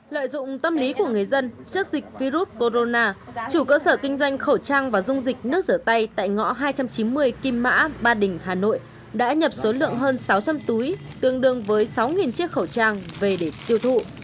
lợi dụng tâm lý của người dân trước dịch virus corona chủ cơ sở kinh doanh khẩu trang và dung dịch nước rửa tay tại ngõ hai trăm chín mươi kim mã ba đình hà nội đã nhập số lượng hơn sáu trăm linh túi tương đương với sáu chiếc khẩu trang về để tiêu thụ